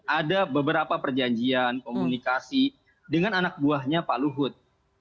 ada beberapa perjanjian komunikasi dengan anak buahnya pak luhut